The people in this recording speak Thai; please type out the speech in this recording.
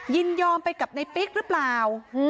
ยินยอมไปกับในปิ๊กหรือเปล่า